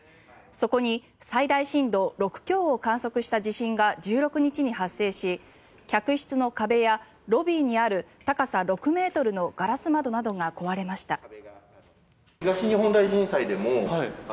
そこに最大震度６強を観測した地震が１６日に発生し、客室の壁やロビーにある高さ６ｍのガラス窓などが壊れました。